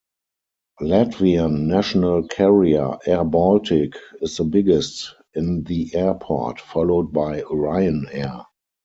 Latvian national carrier airBaltic is the biggest in the airport, followed by Ryanair.